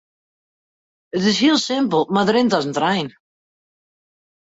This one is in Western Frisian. It is hiel simpel mar it rint as in trein.